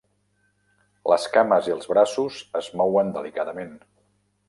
Les cames i els braços es mouen delicadament.